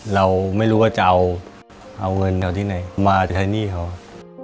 เราไม่รู้ว่าจะเอาเงินแล้วที่ไหนมาใช้หนี้ของ่ะ